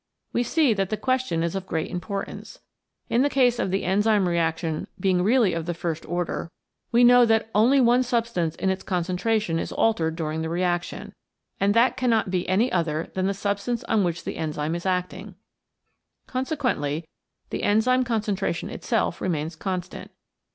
We see that the question is of great importance. In the case of the enzyme reaction being really of the first order, we know that only one substance in its concentration is altered during the reaction. And that cannot be any other than the substance on which the enzyme is acting. Consequently the enzyme con centration itself remains constant.